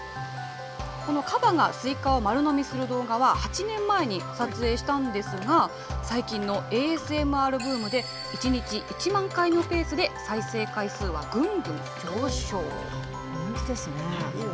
このカバがスイカを丸飲みする動画は８年前に撮影したんですが、最近のＡＳＭＲブームで１日１万回のペースで再生回数はぐんぐん人気ですね。